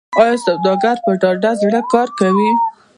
آیا سوداګر په ډاډه زړه کار کوي؟